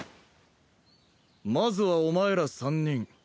まずはお前ら３人。